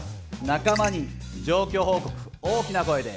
仲間に状況報告大きな声で。